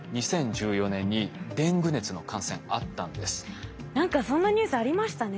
実は何かそんなニュースありましたね。